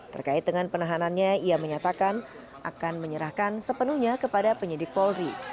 terkait dengan penahanannya ia menyatakan akan menyerahkan sepenuhnya kepada penyidik polri